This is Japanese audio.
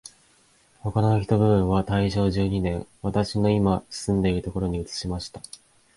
他の一部分は大正十二年、私のいま住んでいるところに移しました